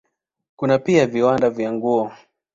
Kuna pia viwanda vya nguo.